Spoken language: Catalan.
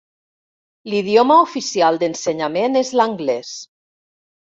L'idioma oficial d'ensenyament és l'anglès.